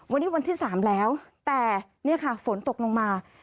วันนี้วันที่๓แล้วแต่นี่ค่ะฝนตกลงมา